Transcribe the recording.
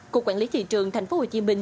cục quản lý thị trường tp hcm